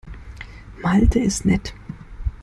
Malte ist nett.